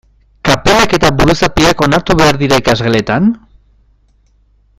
Kapelak eta buruzapiak onartu behar dira ikasgeletan?